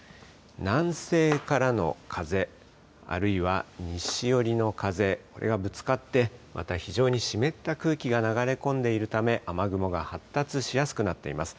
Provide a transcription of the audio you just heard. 南西からの風、あるいは西寄りの風がぶつかってまた非常に湿った空気が流れ込んでいるため雨雲が発達しやすくなっています。